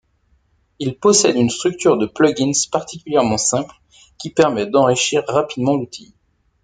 Il possède une structure de plugins particulièrement simple qui permet d'enrichir rapidement l'outil.